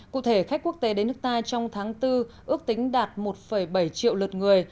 cụ thể khách quốc tế đến nước ta trong tháng bốn ước tính đạt một bảy triệu lượt người